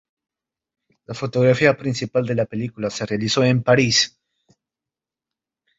La fotografía principal de la película se realizó en París.